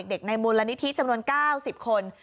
ในมูลนิธิจำนวน๙๐คน